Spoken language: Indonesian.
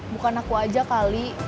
bukan aku aja kali